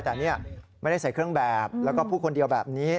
แต่นี่ไม่ได้ใส่เครื่องแบบแล้วก็พูดคนเดียวแบบนี้